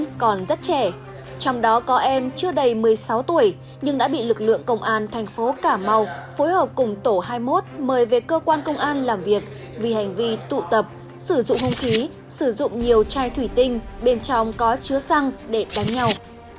các đối tượng còn rất trẻ trong đó có em chưa đầy một mươi sáu tuổi nhưng đã bị lực lượng công an thành phố cà mau phối hợp cùng tổ hai mươi một mời về cơ quan công an làm việc vì hành vi tụ tập sử dụng không khí sử dụng nhiều chai thủy tinh bên trong có chứa xăng để đánh nhau